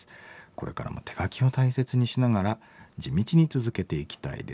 これからも手書きを大切にしながら地道に続けていきたいです」。